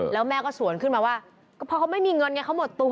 แล้วแม่ก็สวนขึ้นมาว่าก็เพราะเขาไม่มีเงินไงเขาหมดตัว